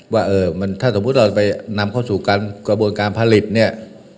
ว่าถ้าสมมุติเราไปนำเข้าสู่การกระบวนการผลิตเนี่ย